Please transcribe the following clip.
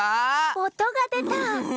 おとがでた。